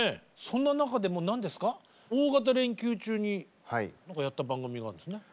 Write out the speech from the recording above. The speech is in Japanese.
そんな中でも何ですか大型連休中にやった番組があるんですね。